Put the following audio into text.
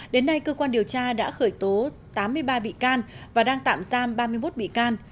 đến nay cơ quan điều tra đã khởi tố tám mươi ba bị can và đang tạm giam ba mươi một bị can